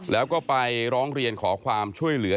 แล้วก็ไปร้องเรียนขอความช่วยเหลือ